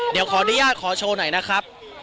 เดี๋ยวขออนุญาตขอโชว์หน่อยนะครับ